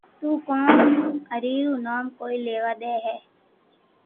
تو ڪون ھري رو نوم ليوا ڪوئي ليوا دي